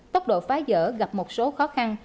tốc độ phá dở gặp một số khó khăn